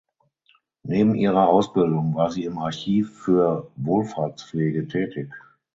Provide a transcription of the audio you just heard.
Neben ihrer Ausbildung war sie im Archiv für Wohlfahrtspflege tätig.